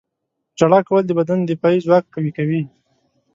• ژړا کول د بدن دفاعي ځواک قوي کوي.